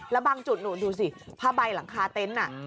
แล้วบางจุดนู่นดูสิผ้าใบหลังคาเต็นต์น่ะ